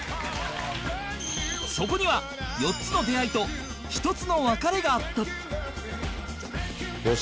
そこには４つの出会いと１つの別れがあった